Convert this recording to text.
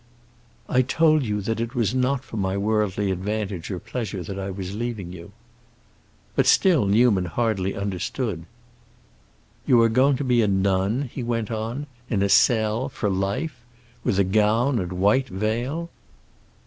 "I told you that it was not for my worldly advantage or pleasure I was leaving you." But still Newman hardly understood. "You are going to be a nun," he went on, "in a cell—for life—with a gown and white veil?"